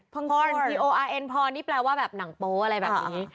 พอร์นพอร์นนี่แปลว่าแบบหนังโป๊ะอะไรแบบนี้